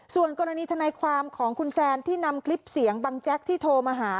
ส่วนกรณีทนายความของคุณแซนที่นำคลิปเสียงบังแจ๊กที่โทรมาหา